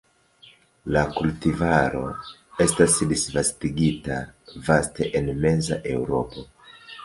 La kultivaro estas disvastigita vaste en meza Eŭropo.